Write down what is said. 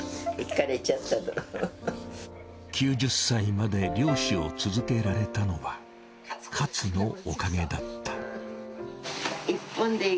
９０歳まで漁師を続けられたのはかつのおかげだった。